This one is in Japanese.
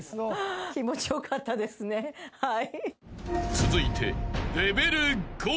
［続いて］